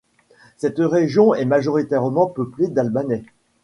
Cette région est majoritairement peuplée d'Albanais.